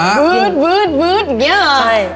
แล้วก็วืดอย่างเงี้ย